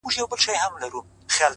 • ستا په څېر غوندي سړي خدمت کومه ,